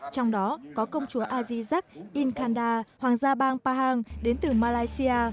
trong đó có công chúa azizak inkanda hoàng gia bang pahang đến từ malaysia